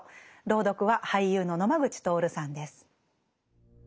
朗読は俳優の野間口徹さんです。